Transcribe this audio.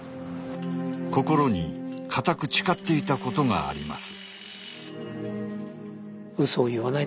心に固く誓っていたことがあります。